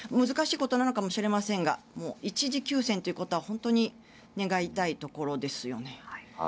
難しいことなのかもしれませんが一時休戦というのは本当に願いたいところですよね。